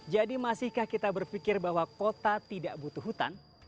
jadi masihkah kita berpikir bahwa kota tidak butuh hutan